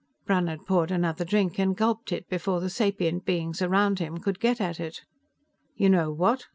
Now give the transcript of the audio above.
Brannhard poured another drink and gulped it before the sapient beings around him could get at it. "You know what?